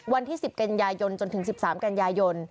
วันที่๑๐กันยายนจนถึง๑๓กันยายน